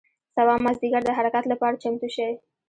سبا مازدیګر د حرکت له پاره چمتو شئ.